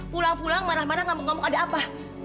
pulang pulang marah marah ngamuk ngamuk ada apa